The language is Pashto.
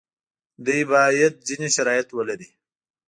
دوی باید ځینې شرایط ولري.